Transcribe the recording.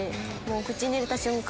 口に入れた瞬間